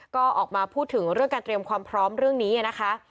ก็ออกมาพูดถึงเรื่องการเตรียมความพร้อมเรื่องนี้นะคะ